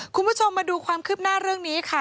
คุณผู้ชมมาดูความคืบหน้าเรื่องนี้ค่ะ